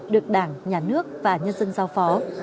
được đảng nhà nước và nhân dân giao phó